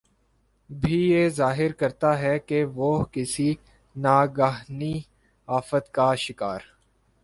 بھی یہ ظاہر کرتا ہے کہ وہ کسی ناگہانی آفت کا شکار